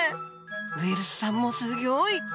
ウイルスさんもすギョい！